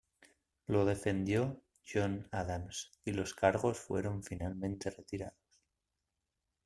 Lo defendió John Adams y los cargos fueron finalmente retirados.